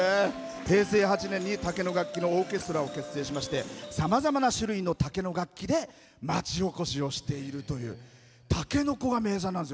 平成８年に竹の楽器のオーケストラを結成しましてさまざまな種類の竹の楽器で町おこしをしているというたけのこが名産なんですよ。